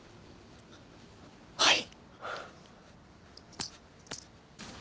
はい。